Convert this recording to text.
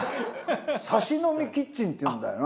「サシ飲みキッチン」っていうんだよな？